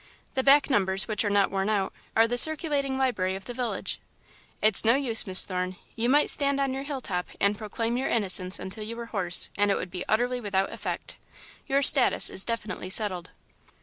The back numbers, which are not worn out, are the circulating library of the village. It's no use, Miss Thorne you might stand on your hilltop and proclaim your innocence until you were hoarse, and it would be utterly without effect. Your status is definitely settled."